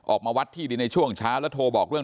ออกมาวัดที่ดินในช่วงเช้าแล้วโทรบอกเรื่อง